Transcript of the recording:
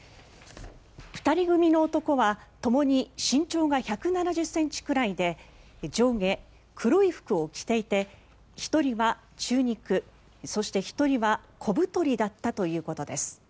２人組の男はともに身長が１７０ｃｍくらいで上下黒い服を着ていて１人は中肉そして１人は小太りだったということです。